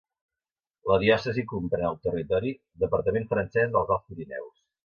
La diòcesi comprèn el territori departament francès dels Alts Pirineus.